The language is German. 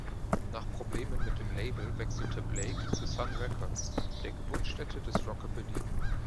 Nach Problemen mit dem Label wechselte Blake zu Sun Records, der Geburtsstätte des Rockabilly.